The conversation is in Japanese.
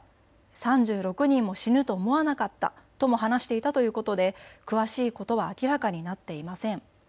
３６人も死ぬとは思わなかったとも話しているということで詳しいことは明らかになっていません。